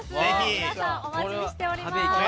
皆さん、お待ちしております。